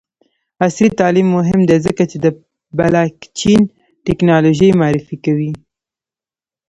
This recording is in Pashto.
عصري تعلیم مهم دی ځکه چې د بلاکچین ټیکنالوژي معرفي کوي.